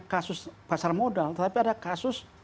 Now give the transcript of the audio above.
kasus pasar modal tetapi ada kasus